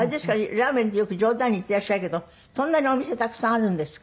ラーメンってよく冗談に言ってらっしゃるけどそんなにお店たくさんあるんですか？